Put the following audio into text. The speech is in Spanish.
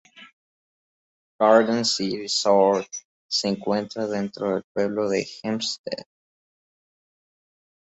Garden City South se encuentra dentro del pueblo de Hempstead.